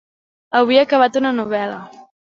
Avui he acabat una novel·la.